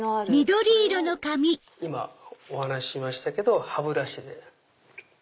それを今お話ししましたけど歯ブラシで。